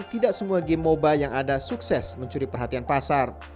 tidak semua game moba yang ada sukses mencuri perhatian pasar